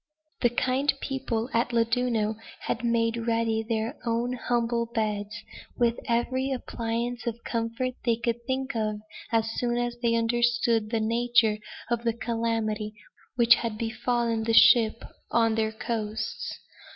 The kind people at Llandudno had made ready their own humble beds, with every appliance of comfort they could think of, as soon as they understood the nature of the calamity which had befallen the ship on their coasts.